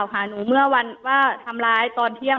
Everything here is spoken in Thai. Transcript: แต่คุณยายจะขอย้ายโรงเรียน